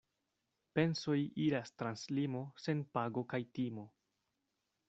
Pensoj iras trans limo sen pago kaj timo.